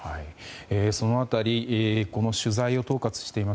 その辺り、この取材を統括しています